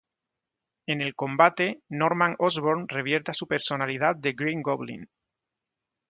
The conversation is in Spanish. En el combate, Norman Osborn revierte a su personalidad de Green Goblin.